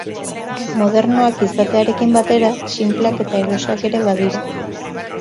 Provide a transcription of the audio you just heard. Modernoak izatearein batera, sinpleak eta erosoak ere badira.